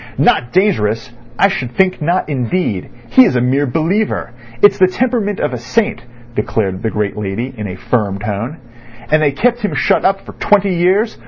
"Not dangerous—I should think not indeed. He is a mere believer. It's the temperament of a saint," declared the great lady in a firm tone. "And they kept him shut up for twenty years.